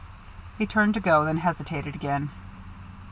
He turned to go, then hesitated again.